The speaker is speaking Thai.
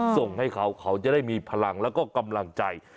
ส่งให้เขาเขาจะได้มีพลังแล้วก็กำลังใจ